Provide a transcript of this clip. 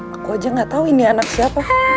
aku aja gak tahu ini anak siapa